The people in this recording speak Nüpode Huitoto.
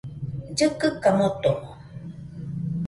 Llɨkɨka motomo